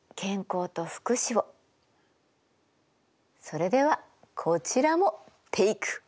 それではこちらもテイクオフ！